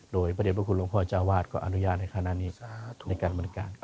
โดยประเด็นว่าคุณลงพ่อจาวาชก็อนุญาตในขณะนี้ในการบรรการ